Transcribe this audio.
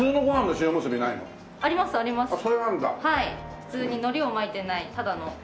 普通に海苔を巻いてないただの白米に。